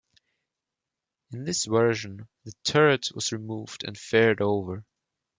In this version, the turret was removed and faired over.